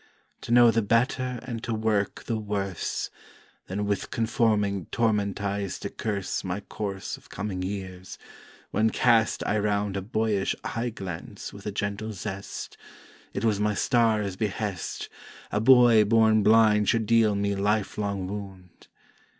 To know the Better and to work the Worse: Then with conforming tormentize to curse My course of coming years, when cast I round A boyish eye glance with a gentle zest, It was my Star's behest A Boy born blind should deal me life long wound.